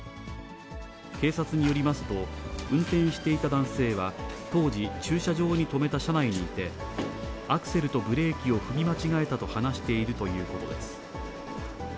警察によりますと、運転していた男性は、当時、駐車場に止めた車内にいて、アクセルとブレーキを踏み間違えたと話しているということです。